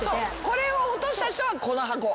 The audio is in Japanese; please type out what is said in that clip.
これを落とした人はこの箱みたいな。